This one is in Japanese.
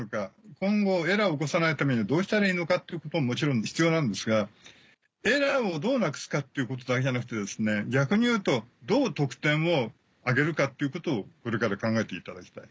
今後エラーを起こさないためにどうしたらいいのかっていうことももちろん必要なんですがエラーをどうなくすかっていうことだけじゃなくて逆に言うとどう得点を挙げるかっていうことをこれから考えていただきたい。